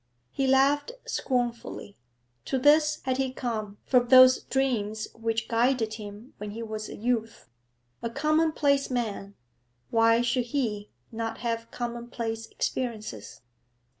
He laughed scornfully. To this had he come from those dreams which guided him when he was a youth. A commonplace man, why should he not have commonplace experiences?